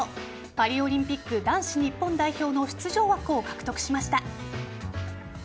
パリオリンピック男子日本代表の出場枠を獲得しました。